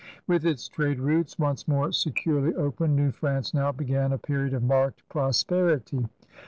With its trade routes once more securely open, New France now b^an a period of marked prosperity.